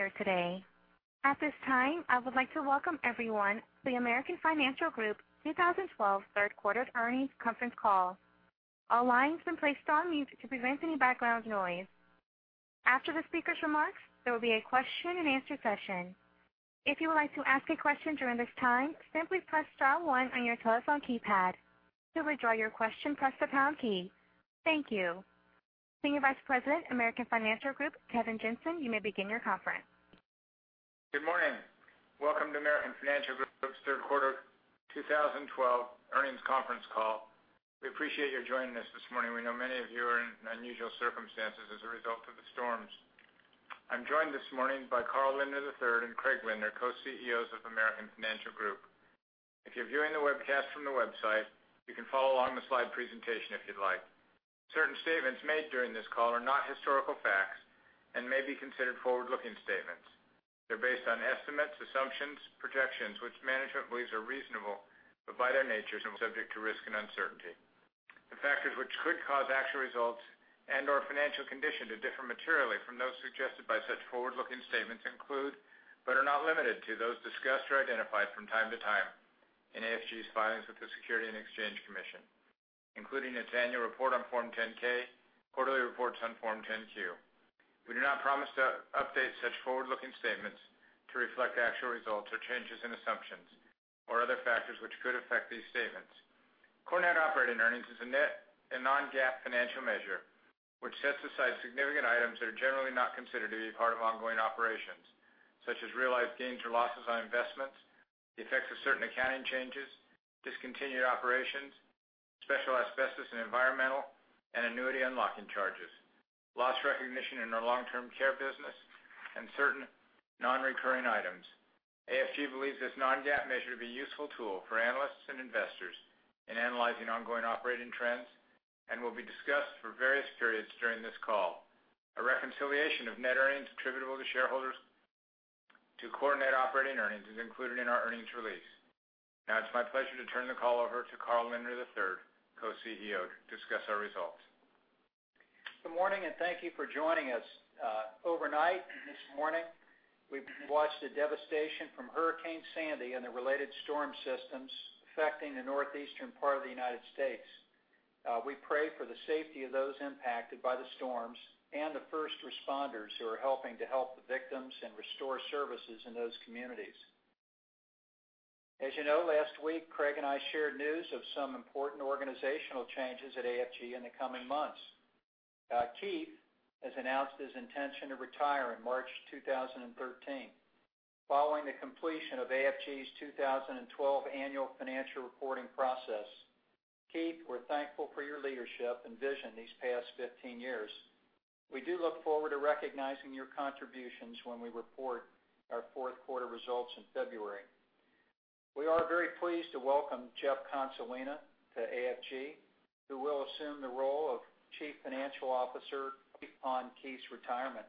Here today. At this time, I would like to welcome everyone to the American Financial Group 2012 third quarter earnings conference call. All lines have been placed on mute to prevent any background noise. After the speaker's remarks, there will be a question and answer session. If you would like to ask a question during this time, simply press star one on your telephone keypad. To withdraw your question, press the pound key. Thank you. Senior Vice President, American Financial Group, Keith Jensen, you may begin your conference. Good morning. Welcome to American Financial Group's third quarter 2012 earnings conference call. We appreciate you joining us this morning. We know many of you are in unusual circumstances as a result of the storms. I'm joined this morning by Carl Lindner III and Craig Lindner, Co-CEOs of American Financial Group. If you're viewing the webcast from the website, you can follow along the slide presentation if you'd like. Certain statements made during this call are not historical facts and may be considered forward-looking statements. They're based on estimates, assumptions, projections which management believes are reasonable, but by their nature, are subject to risk and uncertainty. The factors which could cause actual results and/or financial condition to differ materially from those suggested by such forward-looking statements include, but are not limited to, those discussed or identified from time to time in AFG's filings with the Securities and Exchange Commission, including its annual report on Form 10-K, quarterly reports on Form 10-Q. We do not promise to update such forward-looking statements to reflect actual results or changes in assumptions or other factors which could affect these statements. Core net operating earnings is a non-GAAP financial measure, which sets aside significant items that are generally not considered to be part of ongoing operations, such as realized gains or losses on investments, the effects of certain accounting changes, discontinued operations, special asbestos and environmental and annuity unlocking charges, loss recognition in our long-term care business, and certain non-recurring items. AFG believes this non-GAAP measure to be a useful tool for analysts and investors in analyzing ongoing operating trends and will be discussed for various periods during this call. A reconciliation of net earnings attributable to shareholders to core net operating earnings is included in our earnings release. It's my pleasure to turn the call over to Carl Lindner III, Co-CEO, to discuss our results. Good morning, thank you for joining us. Overnight and this morning, we've watched the devastation from Hurricane Sandy and the related storm systems affecting the northeastern part of the U.S. We pray for the safety of those impacted by the storms and the first responders who are helping to help the victims and restore services in those communities. As you know, last week, Craig and I shared news of some important organizational changes at AFG in the coming months. Keith has announced his intention to retire in March 2013 following the completion of AFG's 2012 annual financial reporting process. Keith, we're thankful for your leadership and vision these past 15 years. We do look forward to recognizing your contributions when we report our fourth quarter results in February. We are very pleased to welcome Jeff Consolino to AFG, who will assume the role of Chief Financial Officer upon Keith's retirement.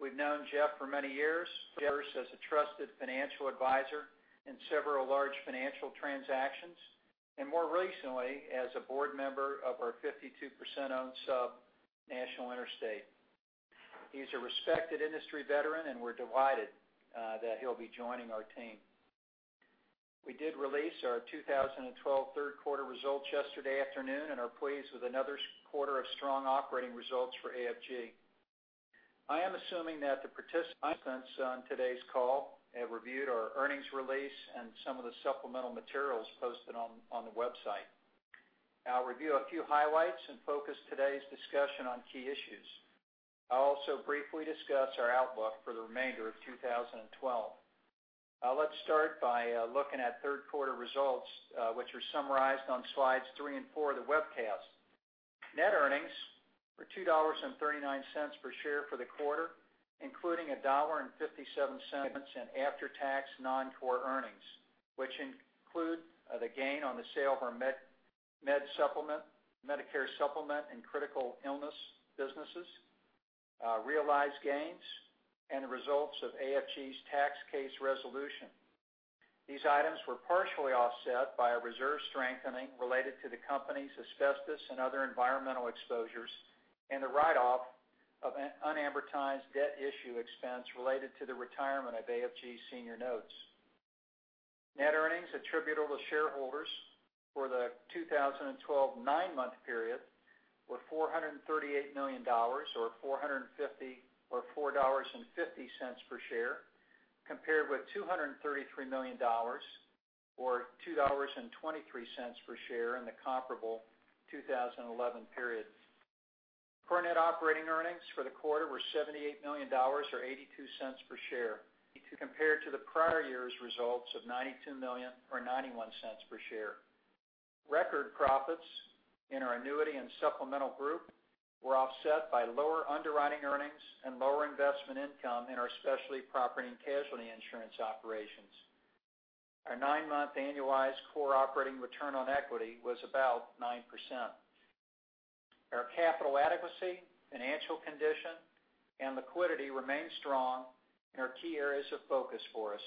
We've known Jeff for many years as a trusted financial advisor in several large financial transactions, and more recently, as a board member of our 52%-owned sub, National Interstate. He's a respected industry veteran, and we're delighted that he'll be joining our team. We did release our 2012 third quarter results yesterday afternoon and are pleased with another quarter of strong operating results for AFG. I am assuming that the participants on today's call have reviewed our earnings release and some of the supplemental materials posted on the website. I'll review a few highlights and focus today's discussion on key issues. I'll also briefly discuss our outlook for the remainder of 2012. Let's start by looking at third quarter results, which are summarized on slides three and four of the webcast. Net earnings were $2.39 per share for the quarter, including $1.57 in after-tax non-core earnings, which include the gain on the sale of our Medicare Supplement and critical illness businesses, realized gains, and the results of AFG's tax case resolution. These items were partially offset by a reserve strengthening related to the company's asbestos and other environmental exposures and the write-off of unamortized debt issue expense related to the retirement of AFG's senior notes. Net earnings attributable to shareholders for the 2012 nine-month period were $438 million or $4.50 per share, compared with $233 million or $2.23 per share in the comparable 2011 period. Core net operating earnings for the quarter were $78 million, or $0.82 per share compared to the prior year's results of $92 million or $0.91 per share. Record profits in our Annuity and Supplemental group were offset by lower underwriting earnings and lower investment income in our specialty property and casualty insurance operations. Our nine-month annualized core operating return on equity was about 9%. Our capital adequacy, financial condition, and liquidity remain strong and are key areas of focus for us.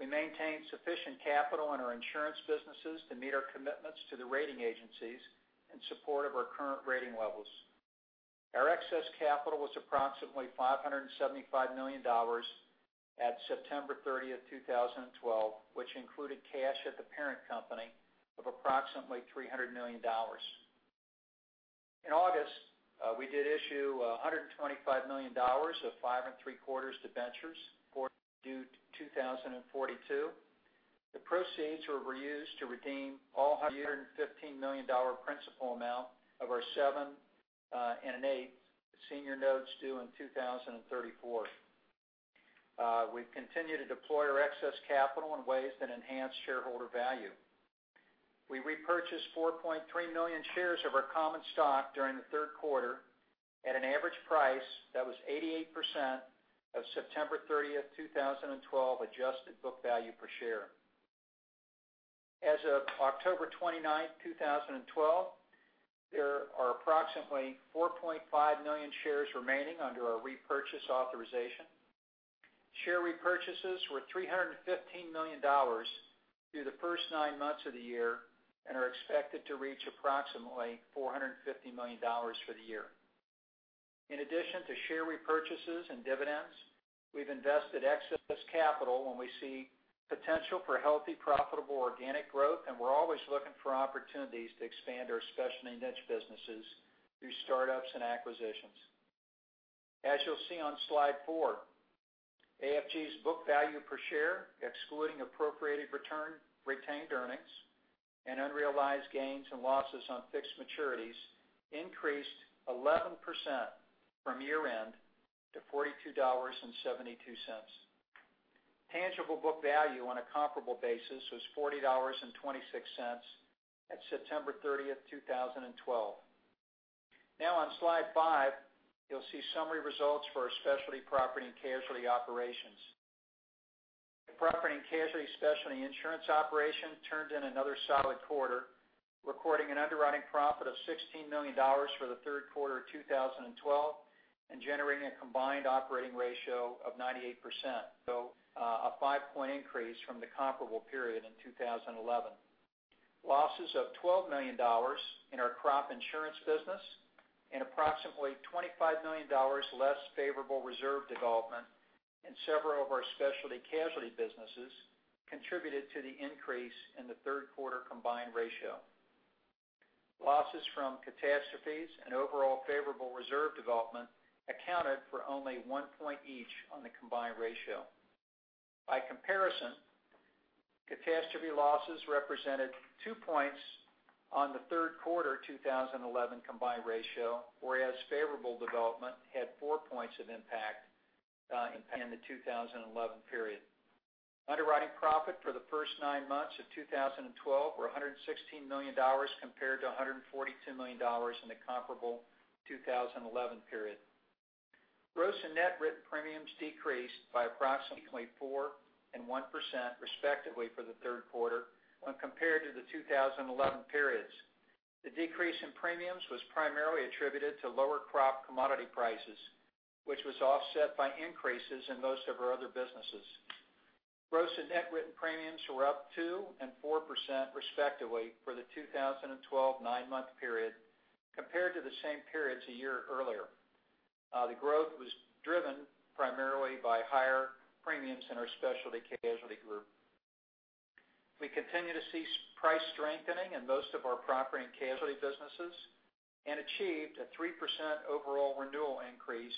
We maintained sufficient capital in our insurance businesses to meet our commitments to the rating agencies in support of our current rating levels. Our excess capital was approximately $575 million at September 30th, 2012, which included cash at the parent company of approximately $300 million. In August, we did issue $125 million of 5.75% debentures due 2042. The proceeds were used to redeem all but $115 million principal amount of our 7.875% senior notes due in 2034. We've continued to deploy our excess capital in ways that enhance shareholder value. We repurchased 4.3 million shares of our common stock during the third quarter at an average price that was 88% of September 30th, 2012 adjusted book value per share. As of October 29th, 2012, there are approximately 4.5 million shares remaining under our repurchase authorization. Share repurchases were $315 million through the first nine months of the year and are expected to reach approximately $450 million for the year. In addition to share repurchases and dividends, we've invested excess capital when we see potential for healthy, profitable, organic growth, and we're always looking for opportunities to expand our specialty niche businesses through startups and acquisitions. As you'll see on slide four, AFG's book value per share, excluding appropriated retained earnings and unrealized gains and losses on fixed maturities, increased 11% from year-end to $42.72. Tangible book value on a comparable basis was $40.26 at September 30th, 2012. On slide five, you'll see summary results for our specialty property and casualty operations. The property and casualty specialty insurance operation turned in another solid quarter, recording an underwriting profit of $16 million for the third quarter of 2012 and generating a combined operating ratio of 98%. A five-point increase from the comparable period in 2011. Losses of $12 million in our crop insurance business and approximately $25 million less favorable reserve development in several of our Specialty Casualty businesses contributed to the increase in the third quarter combined ratio. Losses from catastrophes and overall favorable reserve development accounted for only one point each on the combined ratio. By comparison, catastrophe losses represented two points on the third quarter 2011 combined ratio, whereas favorable development had four points of impact in the 2011 period. Underwriting profit for the first nine months of 2012 were $116 million compared to $142 million in the comparable 2011 period. Gross and net written premiums decreased by approximately 4% and 1%, respectively, for the third quarter when compared to the 2011 periods. The decrease in premiums was primarily attributed to lower crop commodity prices, which was offset by increases in most of our other businesses. Gross and net written premiums were up 2% and 4%, respectively, for the 2012 nine-month period compared to the same periods a year earlier. The growth was driven primarily by higher premiums in our Specialty Casualty group. We continue to see price strengthening in most of our property and casualty businesses and achieved a 3% overall renewal increase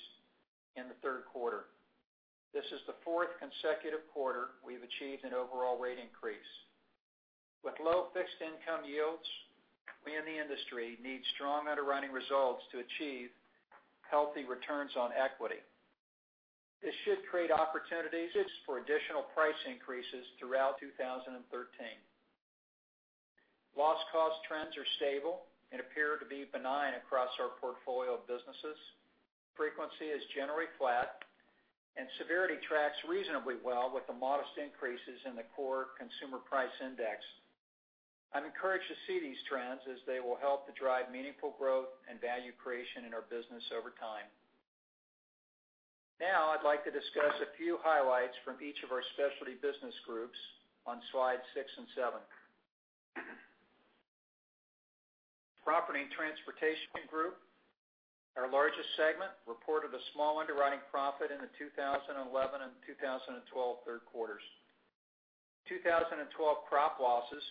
in the third quarter. This is the fourth consecutive quarter we've achieved an overall rate increase. With low fixed income yields, we in the industry need strong underwriting results to achieve healthy returns on equity. This should create opportunities for additional price increases throughout 2013. Loss cost trends are stable and appear to be benign across our portfolio of businesses. Frequency is generally flat, and severity tracks reasonably well with the modest increases in the core consumer price index. I'm encouraged to see these trends as they will help to drive meaningful growth and value creation in our business over time. I'd like to discuss a few highlights from each of our specialty business groups on slides six and seven. Property and Transportation Group, our largest segment, reported a small underwriting profit in the 2011 and 2012 third quarters. 2012 crop losses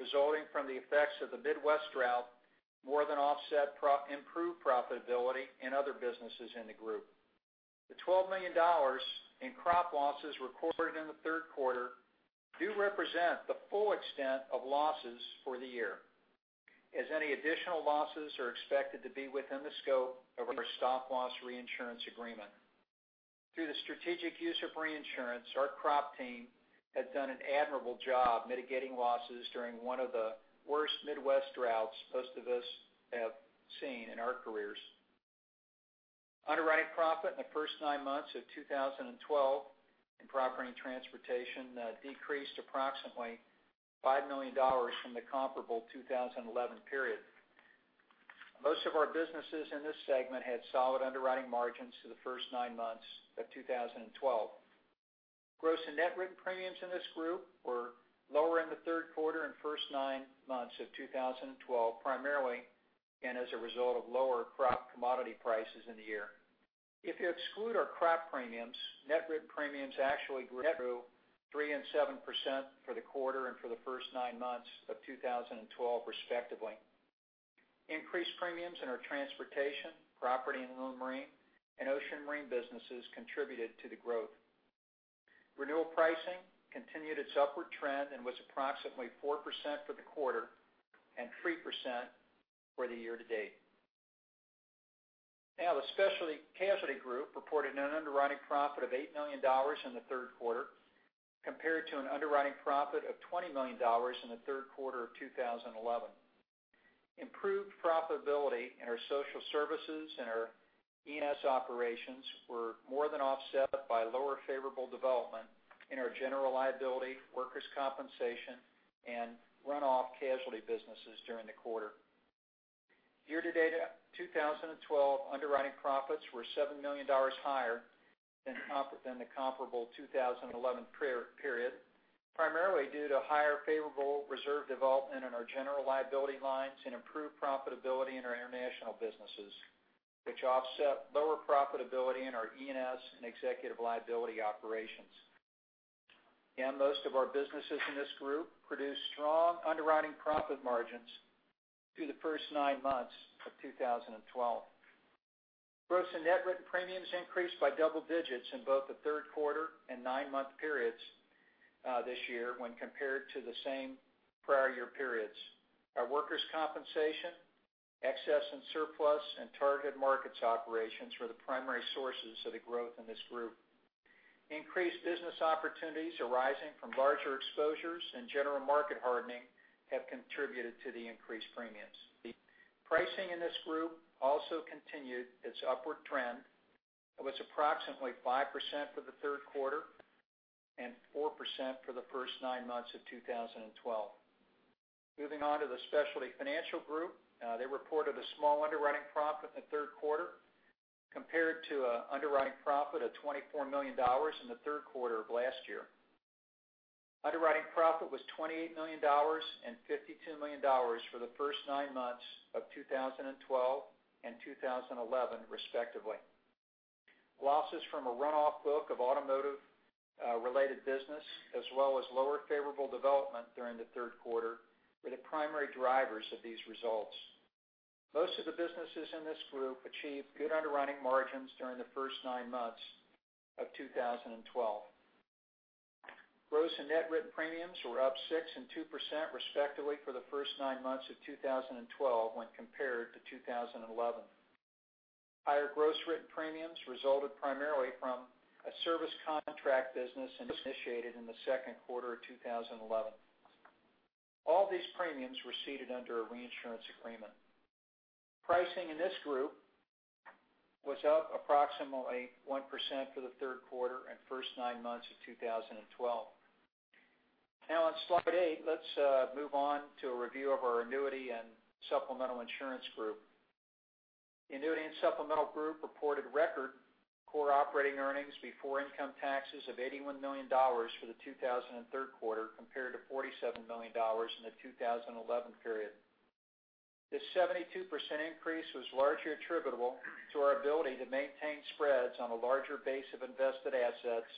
resulting from the effects of the Midwest drought more than offset improved profitability in other businesses in the group. The $12 million in crop losses recorded in the third quarter do represent the full extent of losses for the year, as any additional losses are expected to be within the scope of our stop loss reinsurance agreement. Through the strategic use of reinsurance, our crop team has done an admirable job mitigating losses during one of the worst Midwest droughts most of us have seen in our careers. Underwriting profit in the first nine months of 2012 in Property and Transportation decreased approximately $5 million from the comparable 2011 period. Most of our businesses in this segment had solid underwriting margins through the first nine months of 2012. Gross and net written premiums in this group were lower in the third quarter and first nine months of 2012, primarily and as a result of lower crop commodity prices in the year. If you exclude our crop premiums, net written premiums actually grew 3% and 7% for the quarter and for the first nine months of 2012, respectively. Increased premiums in our transportation, property and inland marine, and ocean marine businesses contributed to the growth. Renewal pricing continued its upward trend and was approximately 4% for the quarter and 3% for the year-to-date. The Specialty Casualty group reported an underwriting profit of $8 million in the third quarter compared to an underwriting profit of $20 million in the third quarter of 2011. Improved profitability in our social services and our E&S operations were more than offset by lower favorable development in our general liability, workers' compensation, and runoff casualty businesses during the quarter. Year-to-date 2012 underwriting profits were $7 million higher than the comparable 2011 period, primarily due to higher favorable reserve development in our general liability lines and improved profitability in our international businesses, which offset lower profitability in our E&S and Executive Liability operations. Most of our businesses in this group produced strong underwriting profit margins through the first nine months of 2012. Gross and net written premiums increased by double digits in both the third quarter and nine-month periods this year when compared to the same prior year periods. Our workers' compensation, excess and surplus, and targeted markets operations were the primary sources of the growth in this group. Increased business opportunities arising from larger exposures and general market hardening have contributed to the increased premiums. Pricing in this group also continued its upward trend and was approximately 5% for the third quarter and 4% for the first nine months of 2012. Moving on to the Specialty Financial group. They reported a small underwriting profit in the third quarter compared to an underwriting profit of $24 million in the third quarter of last year. Underwriting profit was $28 million and $52 million for the first nine months of 2012 and 2011, respectively. Losses from a runoff book of automotive-related business, as well as lower favorable development during the third quarter, were the primary drivers of these results. Most of the businesses in this group achieved good underwriting margins during the first nine months of 2012. Gross and net written premiums were up 6% and 2% respectively for the first nine months of 2012 when compared to 2011. Higher gross written premiums resulted primarily from a service contract business initiated in the second quarter of 2011. All these premiums were ceded under a reinsurance agreement. Pricing in this group was up approximately 1% for the third quarter and first nine months of 2012. Now on slide eight, let's move on to a review of our Annuity and Supplemental Insurance group. The Annuity and Supplemental group reported record core operating earnings before income taxes of $81 million for the 2012 third quarter, compared to $47 million in the 2011 period. This 72% increase was largely attributable to our ability to maintain spreads on a larger base of invested assets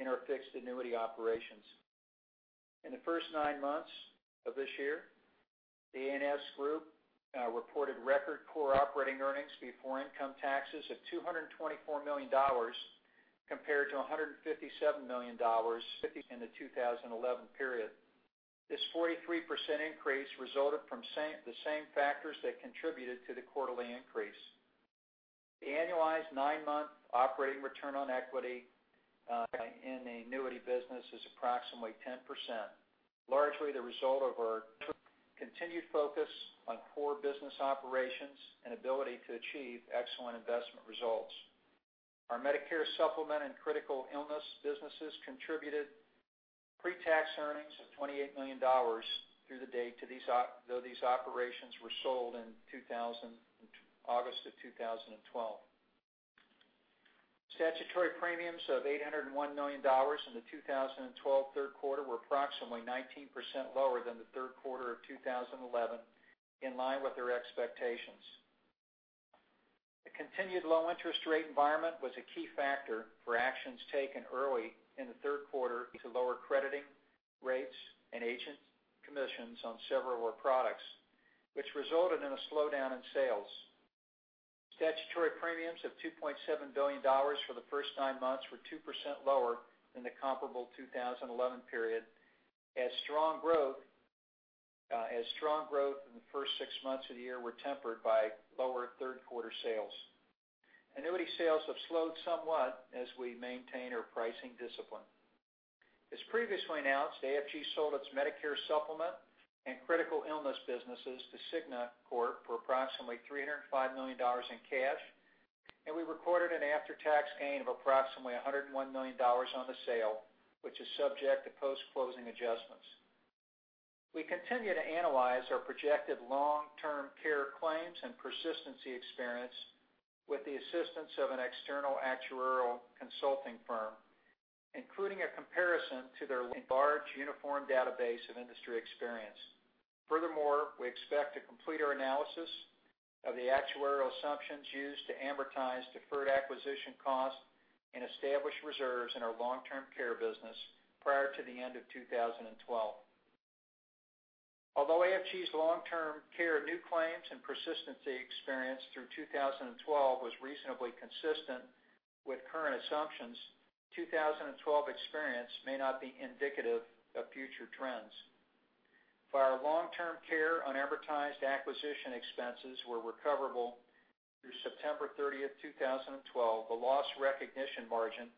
in our fixed annuity operations. In the first nine months of this year, the A&S group reported record core operating earnings before income taxes of $224 million compared to $157 million in the 2011 period. This 43% increase resulted from the same factors that contributed to the quarterly increase. The annualized nine-month operating return on equity in the annuity business is approximately 10%, largely the result of our continued focus on core business operations and ability to achieve excellent investment results. Our Medicare Supplement and critical illness businesses contributed pre-tax earnings of $28 million through the date, though these operations were sold in August of 2012. Statutory premiums of $801 million in the 2012 third quarter were approximately 19% lower than the third quarter of 2011, in line with their expectations. The continued low interest rate environment was a key factor for actions taken early in the third quarter to lower crediting rates and agent commissions on several of our products, which resulted in a slowdown in sales. Statutory premiums of $2.7 billion for the first nine months were 2% lower than the comparable 2011 period, as strong growth in the first six months of the year were tempered by lower third-quarter sales. Annuity sales have slowed somewhat as we maintain our pricing discipline. As previously announced, AFG sold its Medicare Supplement and critical illness businesses to Cigna Corp. for approximately $305 million in cash. We recorded an after-tax gain of approximately $101 million on the sale, which is subject to post-closing adjustments. We continue to analyze our projected long-term care claims and persistency experience with the assistance of an external actuarial consulting firm, including a comparison to their large uniform database of industry experience. Furthermore, we expect to complete our analysis of the actuarial assumptions used to amortize deferred acquisition costs and establish reserves in our long-term care business prior to the end of 2012. Although AFG's long-term care new claims and persistency experience through 2012 was reasonably consistent with current assumptions, 2012 experience may not be indicative of future trends. For our long-term care unamortized acquisition expenses were recoverable through September 30th, 2012, the loss recognition margin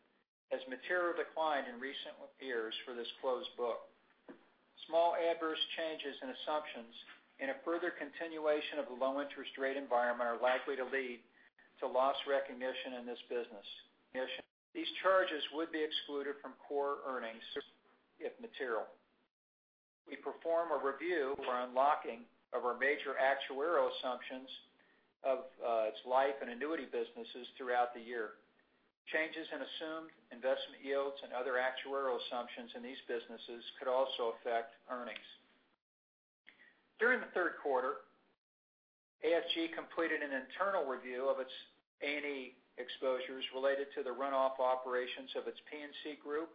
has materially declined in recent years for this closed book. Small adverse changes in assumptions and a further continuation of a low interest rate environment are likely to lead to loss recognition in this business. These charges would be excluded from core earnings if material. We perform a review or unlocking of our major actuarial assumptions of our life and annuity businesses throughout the year. Changes in assumed investment yields and other actuarial assumptions in these businesses could also affect earnings. During the third quarter, AFG completed an internal review of its A&E exposures related to the runoff operations of its P&C group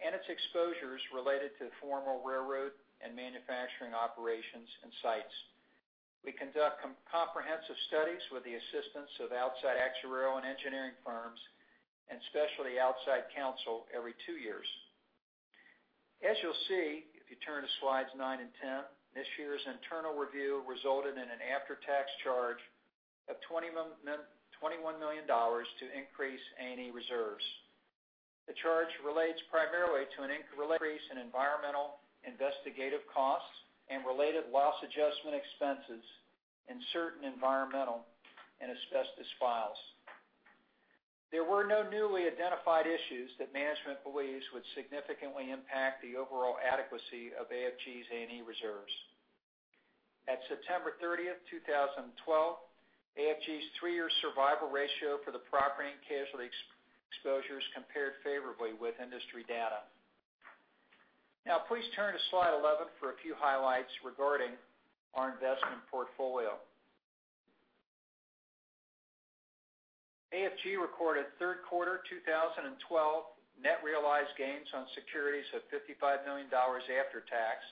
and its exposures related to formal railroad and manufacturing operations and sites. We conduct comprehensive studies with the assistance of outside actuarial and engineering firms and specialty outside counsel every two years. As you'll see, if you turn to slides nine and 10, this year's internal review resulted in an after-tax charge of $21 million to increase A&E reserves. The charge relates primarily to an increase in environmental investigative costs and related loss adjustment expenses in certain environmental and asbestos files. There were no newly identified issues that management believes would significantly impact the overall adequacy of AFG's A&E reserves. At September 30th, 2012, AFG's three-year survival ratio for the property and casualty exposures compared favorably with industry data. Now please turn to slide 11 for a few highlights regarding our investment portfolio. AFG recorded third quarter 2012 net realized gains on securities of $55 million after tax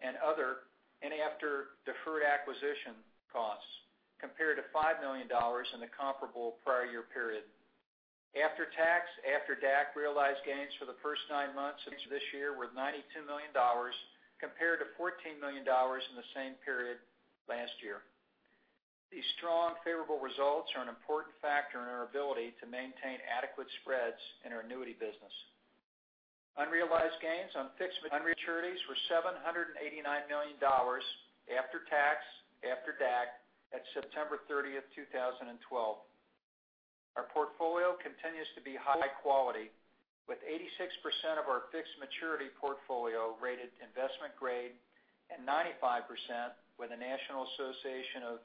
and other and after deferred acquisition costs compared to $5 million in the comparable prior year period. After tax, after DAC realized gains for the first nine months of this year were $92 million compared to $14 million in the same period last year. These strong favorable results are an important factor in our ability to maintain adequate spreads in our annuity business. Unrealized gains on fixed maturities were $789 million after tax, after DAC at September 30th, 2012. Our portfolio continues to be high quality with 86% of our fixed maturity portfolio rated investment grade and 95% with the National Association of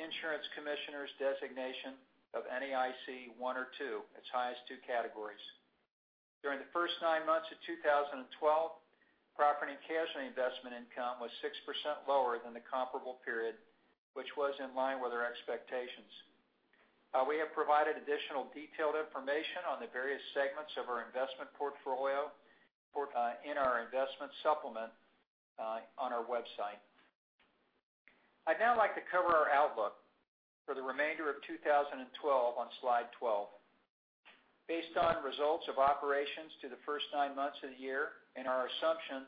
Insurance Commissioners designation of NAIC 1 or 2, its highest two categories. During the first nine months of 2012, property and casualty investment income was 6% lower than the comparable period, which was in line with our expectations. We have provided additional detailed information on the various segments of our investment portfolio in our investment supplement on our website. I'd now like to cover our outlook for the remainder of 2012 on slide 12. Based on results of operations to the first nine months of the year and our assumption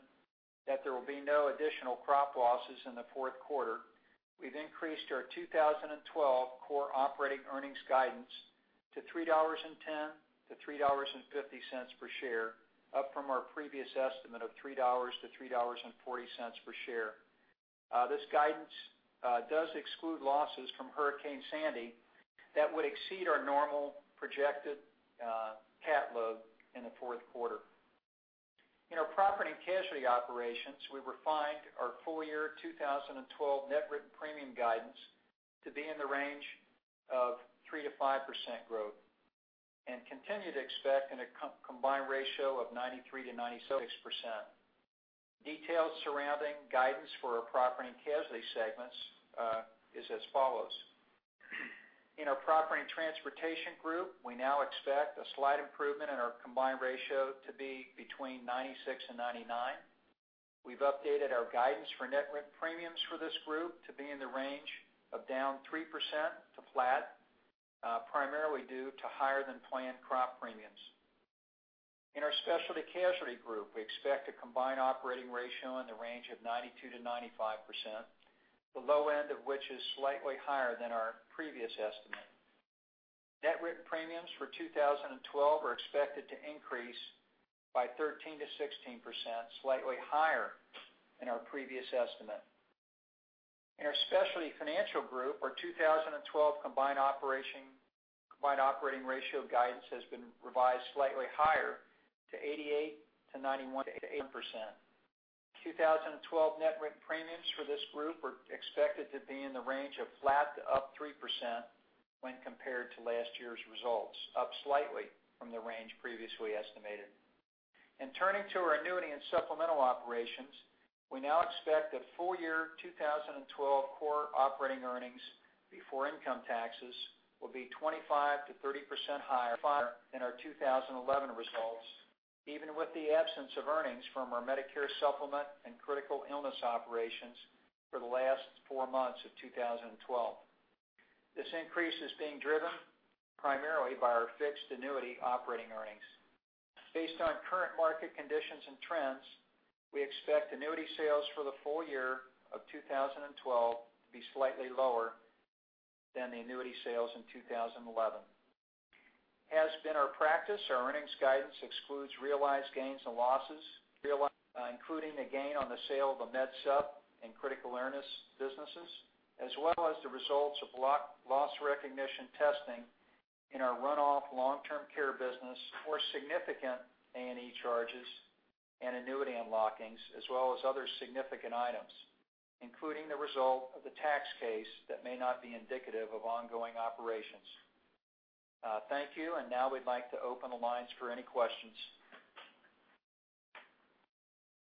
that there will be no additional crop losses in the fourth quarter, we've increased our 2012 core operating earnings guidance to $3.10-$3.50 per share up from our previous estimate of $3-$3.40 per share. This guidance does exclude losses from Hurricane Sandy that would exceed our normal projected cat load in the fourth quarter. In our property and casualty operations, we refined our full year 2012 net written premium guidance to be in the range of 3%-5% growth and continue to expect in a combined ratio of 93%-96%. Details surrounding guidance for our property and casualty segments is as follows. In our Property and Transportation Group, we now expect a slight improvement in our combined ratio to be between 96% and 99%. We've updated our guidance for net written premiums for this group to be in the range of down 3% to flat primarily due to higher than planned crop premiums. In our Specialty Casualty Group, we expect a combined operating ratio in the range of 92%-95%, the low end of which is slightly higher than our previous estimate. Net written premiums for 2012 are expected to increase by 13%-16%, slightly higher than our previous estimate. In our Specialty Financial Group, our 2012 combined operating ratio guidance has been revised slightly higher to 88%-91%. 2012 net written premiums for this group are expected to be in the range of flat to up 3% when compared to last year's results, up slightly from the range previously estimated. In turning to our Annuity and Supplemental operations, we now expect that full year 2012 core operating earnings before income taxes will be 25%-30% higher than our 2011 results, even with the absence of earnings from our Medicare Supplement and critical illness operations for the last four months of 2012. This increase is being driven primarily by our fixed annuity operating earnings. Based on current market conditions and trends, we expect annuity sales for the full year of 2012 to be slightly lower than the annuity sales in 2011. As has been our practice, our earnings guidance excludes realized gains and losses, including the gain on the sale of a MedSup and critical illness businesses, as well as the results of loss recognition testing in our run-off long-term care business or significant A&E charges and annuity unlockings, as well as other significant items, including the result of the tax case that may not be indicative of ongoing operations. Thank you. Now we'd like to open the lines for any questions.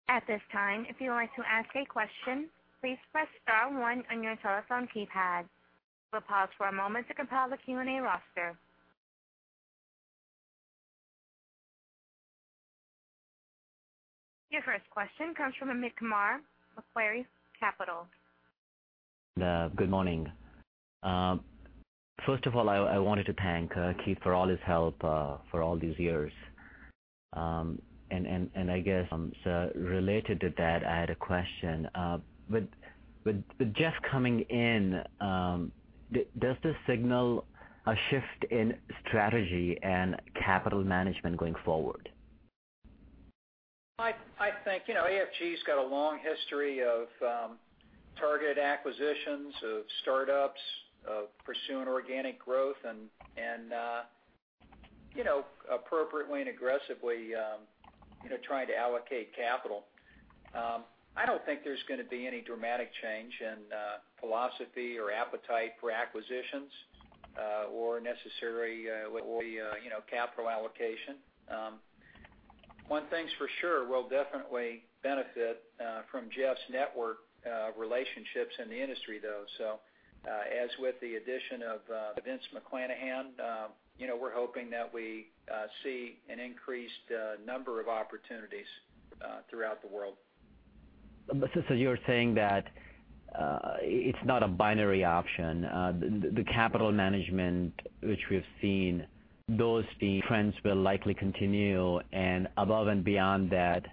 At this time, if you would like to ask a question, please press star one on your telephone keypad. We'll pause for a moment to compile the Q&A roster. Your first question comes from Amit Kumar of Macquarie Capital. Good morning. First of all, I wanted to thank Keith for all his help for all these years. I guess, related to that, I had a question. With Jeff coming in, does this signal a shift in strategy and capital management going forward? I think AFG's got a long history of targeted acquisitions, of startups, of pursuing organic growth and appropriately and aggressively trying to allocate capital. I don't think there's going to be any dramatic change in philosophy or appetite for acquisitions, or necessary with the capital allocation. One thing's for sure, we'll definitely benefit from Jeff's network relationships in the industry, though. As with the addition of Vince McClenahan, we're hoping that we see an increased number of opportunities throughout the world. You're saying that it's not a binary option. The capital management which we've seen, those trends will likely continue, and above and beyond that,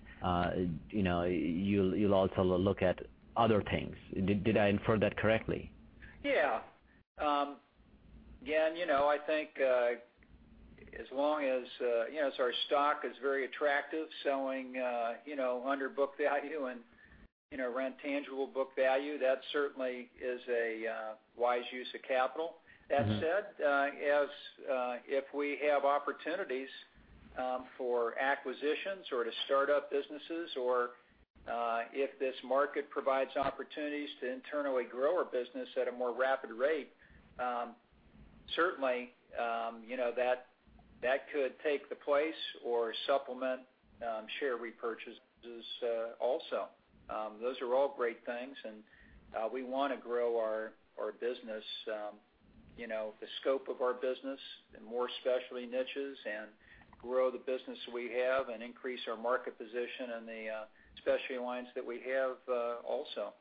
you'll also look at other things. Did I infer that correctly? Yeah. Again, I think as long as our stock is very attractive, selling under book value and around tangible book value, that certainly is a wise use of capital. That said, if we have opportunities for acquisitions or to start up businesses or if this market provides opportunities to internally grow our business at a more rapid rate, certainly, that could take the place or supplement share repurchases also. Those are all great things, and we want to grow our business, the scope of our business in more specialty niches and grow the business we have and increase our market position in the specialty lines that we have also.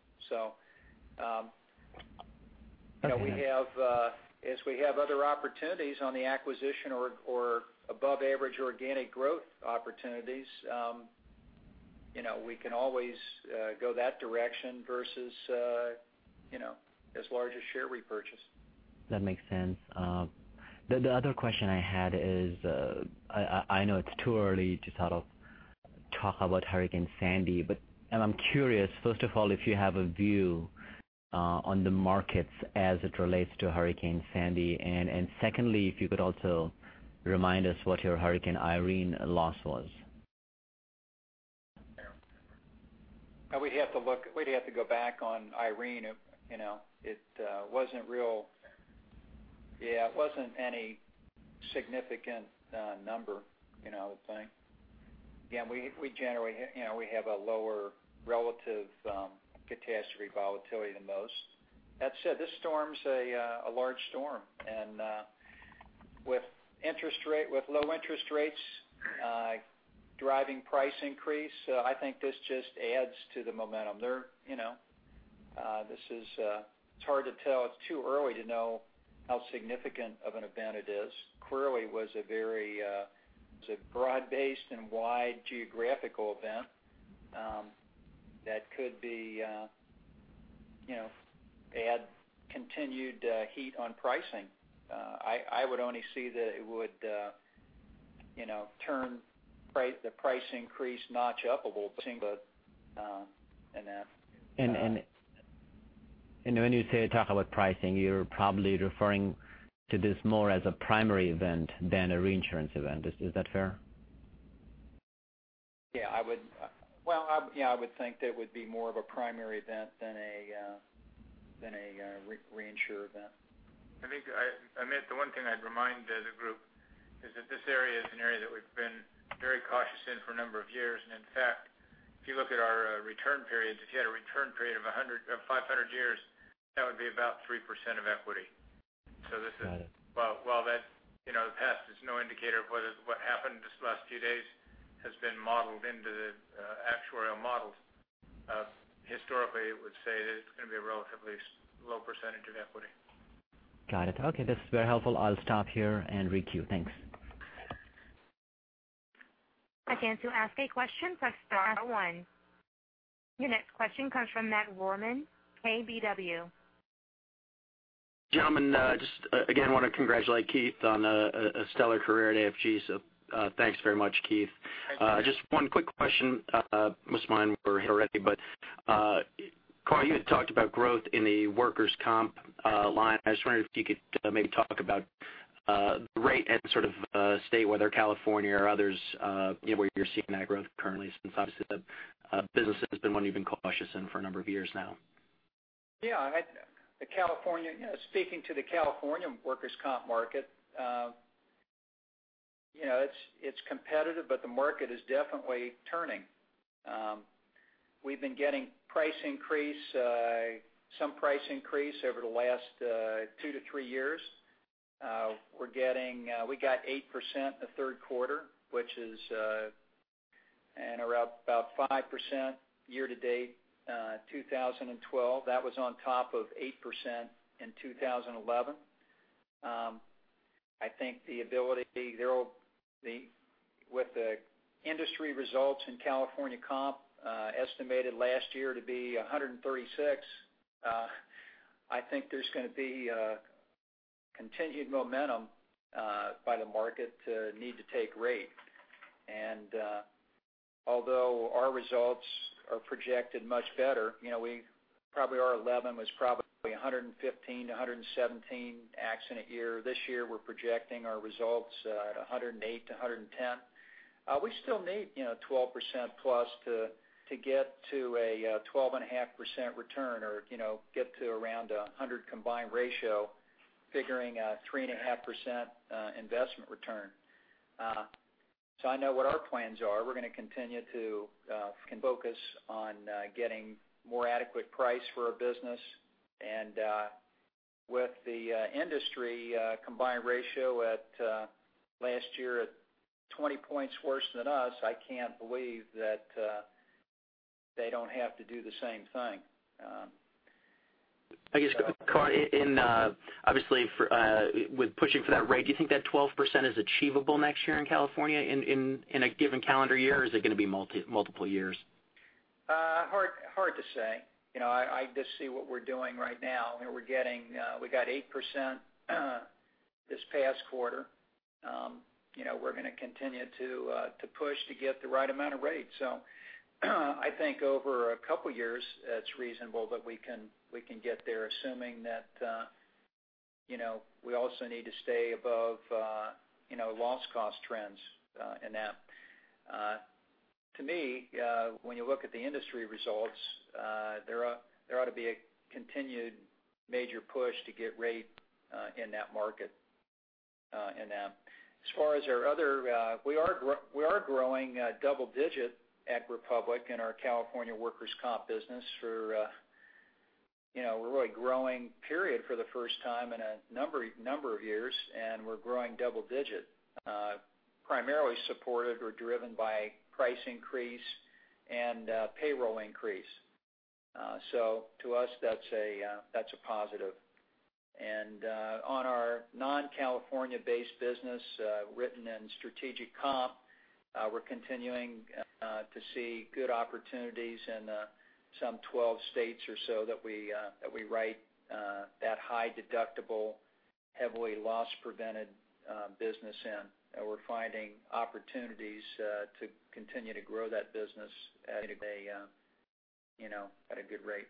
As we have other opportunities on the acquisition or above average organic growth opportunities, we can always go that direction versus as large a share repurchase. That makes sense. The other question I had is, I know it's too early to sort of talk about Hurricane Sandy, but I'm curious, first of all, if you have a view on the markets as it relates to Hurricane Sandy, and secondly, if you could also remind us what your Hurricane Irene loss was. We'd have to go back on Irene. It wasn't any significant number, I would think. Again, we have a lower relative catastrophe volatility than most. That said, this storm's a large storm, and with low interest rates driving price increase, I think this just adds to the momentum. It's hard to tell. It's too early to know how significant of an event it is. Clearly, it was a very broad-based and wide geographical event that could add continued heat on pricing. I would only see that it would turn the price increase notch up a little bit in that. When you say talk about pricing, you're probably referring to this more as a primary event than a reinsurance event. Is that fair? Yeah, I would think that would be more of a primary event than a reinsurance event. I think, Amit, the one thing I'd remind the group is that this area is an area that we've been very cautious in for a number of years. In fact, if you look at our return periods, if you had a return period of 500 years, that would be about 3% of equity. Got it. While the past is no indicator of what happened, these last few days has been modeled into the actuarial models. Historically, it would say that it's going to be a relatively low percentage of equity. Got it. Okay, this is very helpful. I'll stop here and requeue. Thanks. A chance to ask a question, press star one. Your next question comes from Matt Rohrmann, KBW. Gentlemen, just again, want to congratulate Keith on a stellar career at AFG. Thanks very much, Keith. Thank you. Just one quick question. Must have been mine were hit already, Carl, you had talked about growth in the workers' comp line. I just wondered if you could maybe talk about the rate and sort of state whether California or others where you're seeing that growth currently, since obviously the business has been one you've been cautious in for a number of years now. Yeah. Speaking to the California workers' comp market, it's competitive, but the market is definitely turning. We've been getting some price increase over the last two to three years. We got 8% the third quarter, and are up about 5% year to date 2012. That was on top of 8% in 2011. I think with the industry results in California workers' comp, estimated last year to be 136, I think there's going to be a continued momentum by the market to need to take rate. Although our results are projected much better, our 2011 was probably 115 to 117 accident year. This year, we're projecting our results at 108 to 110. We still need 12% plus to get to a 12.5% return or get to around 100 combined ratio figuring a 3.5% investment return. I know what our plans are. We're going to continue to focus on getting more adequate price for our business. With the industry combined ratio last year at 20 points worse than us, I can't believe that they don't have to do the same thing. I guess, Carl, obviously, with pushing for that rate, do you think that 12% is achievable next year in California in a given calendar year, or is it going to be multiple years? Hard to say. I just see what we're doing right now. We got 8% this past quarter. We're going to continue to push to get the right amount of rate. I think over a couple of years, it's reasonable that we can get there assuming that we also need to stay above loss cost trends in that. To me, when you look at the industry results, there ought to be a continued major push to get rate in that market. As far as our other, we are growing double digit at Republic in our California workers' comp business. We're really growing, period, for the first time in a number of years, and we're growing double digit, primarily supported or driven by price increase and payroll increase. To us, that's a positive. On our non-California based business, written in Strategic Comp, we're continuing to see good opportunities in some 12 states or so that we write that high deductible, heavily loss prevented business in. We're finding opportunities to continue to grow that business at a good rate.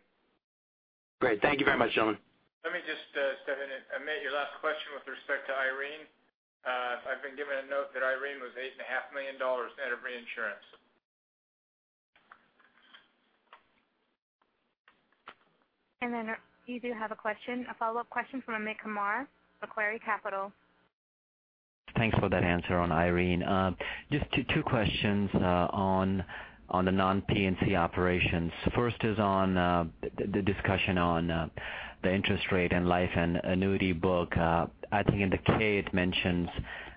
Great. Thank you very much, gentlemen. Let me just step in. Amit, your last question with respect to Irene. I've been given a note that Irene was $8.5 million out of reinsurance. You do have a follow-up question from Amit Kumar, Macquarie Capital. Thanks for that answer on Irene. Just two questions on the non P&C operations. First is on the discussion on the interest rate and life and annuity book. I think in the K it mentions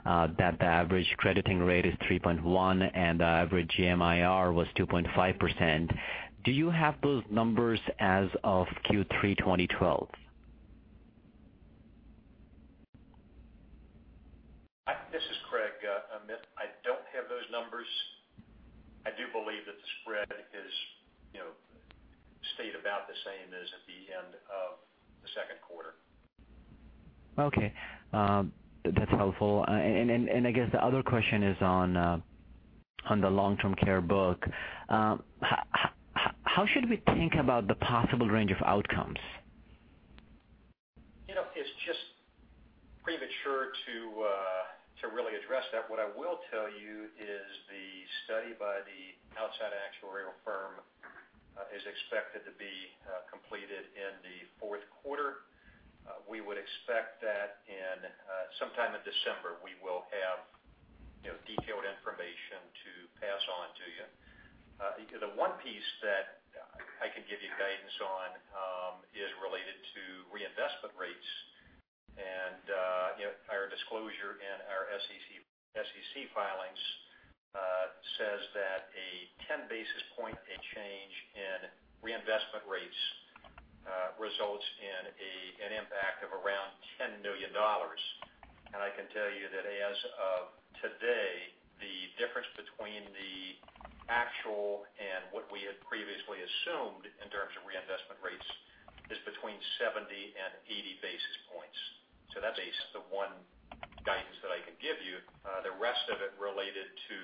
that the average crediting rate is 3.1 and the average GMIR was 2.5%. Do you have those numbers as of Q3 2012? This is Craig. Amit, I don't have those numbers. I do believe that the spread is The same as at the end of the second quarter. Okay. That's helpful. I guess the other question is on the long-term care book. How should we think about the possible range of outcomes? It's just premature to really address that. What I will tell you is the study by the outside actuarial firm is expected to be completed in the fourth quarter. We would expect that sometime in December, we will have detailed information to pass on to you. The one piece that I can give you guidance on is related to reinvestment rates. Our disclosure in our SEC filings says that a 10 basis point change in reinvestment rates results in an impact of around $10 million. I can tell you that as of today, the difference between the actual and what we had previously assumed in terms of reinvestment rates is between 70 and 80 basis points. That's the one guidance that I can give you. The rest of it related to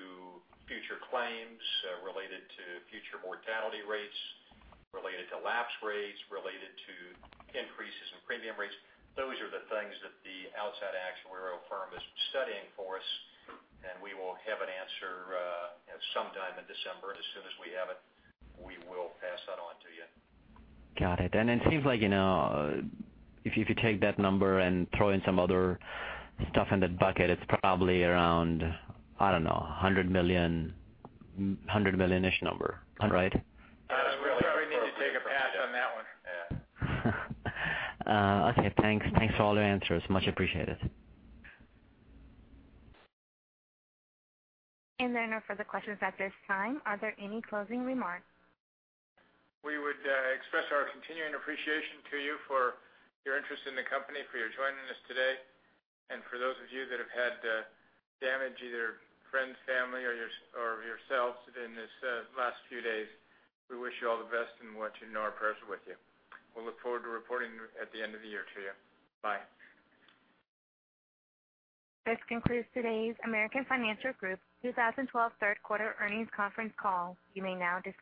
future claims, related to future mortality rates, related to lapse rates, related to increases in premium rates. Those are the things that the outside actuarial firm is studying for us, and we will have an answer sometime in December. As soon as we have it, we will pass that on to you. Got it. It seems like if you could take that number and throw in some other stuff in that bucket, it's probably around, I don't know, 100 million-ish number, right? We probably need to take a pass on that one. Okay, thanks. Thanks for all the answers. Much appreciated. There are no further questions at this time. Are there any closing remarks? We would express our continuing appreciation to you for your interest in the company, for your joining us today, and for those of you that have had damage, either friends, family, or yourselves in this last few days, we wish you all the best and want you to know our prayers are with you. We'll look forward to reporting at the end of the year to you. Bye. This concludes today's American Financial Group 2012 third quarter earnings conference call. You may now disconnect.